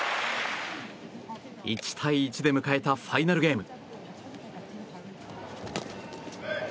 １対１で迎えたファイナルゲーム。